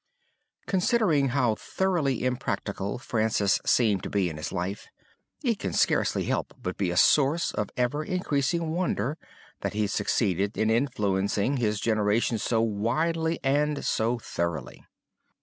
'" Considering how thoroughly impractical Francis seemed to be in his life, it can scarcely help but be a source of ever increasing wonder that he succeeded in influencing, his generation so widely and so thoroughly.